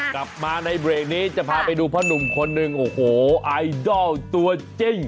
กลับมาในเบรกนี้จะพาไปดูพ่อหนุ่มคนหนึ่งโอ้โหไอดอลตัวจริง